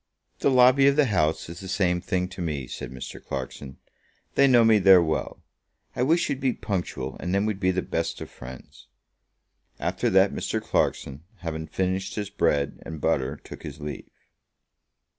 "The lobby of the House is the same thing to me," said Mr. Clarkson. "They know me there well. I wish you'd be punctual, and then we'd be the best of friends." After that Mr. Clarkson, having finished his bread and butter, took his leave.